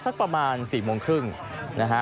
สักประมาณ๔โมงครึ่งนะฮะ